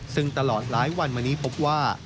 ซึ่งตลอดหลายวันมานี้พบว่า